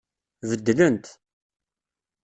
Beddlent